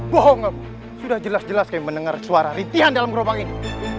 bohong sudah jelas jelas mendengar suara rintihan dalam gerobak ini